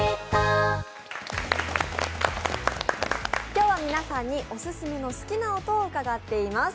今日は皆さんにオススメの好きな音を伺っています。